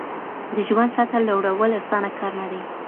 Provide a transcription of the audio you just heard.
د ژوند سطحه لوړول اسانه کار نه دی.